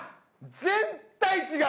絶対違う！